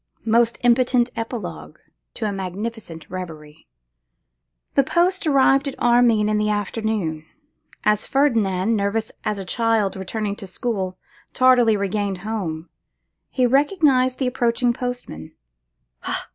Most impotent epilogue to a magnificent reverie! The post arrived at Armine in the afternoon. As Ferdinand, nervous as a child returning to school, tardily regained home, he recognised the approaching postman.